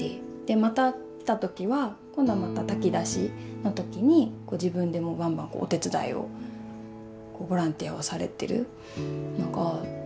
また来た時は今度はまた炊き出しの時に自分でもバンバンお手伝いをボランティアをされてる。